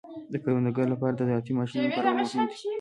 د کروندګرو لپاره د زراعتي ماشینونو کارول مهم دي.